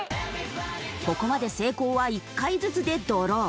ここまで成功は１回ずつでドロー。